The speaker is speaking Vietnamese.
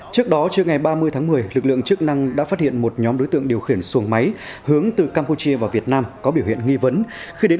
trước đó trưa ngày ba mươi tháng một mươi lực lượng chức năng đã phát hiện một nhóm đối tượng điều khiển xuồng máy hướng từ campuchia vào việt nam có biểu hiện nghi vấn